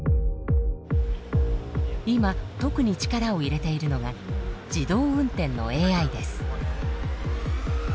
今特に力を入れているのが自動運転のＡＩです。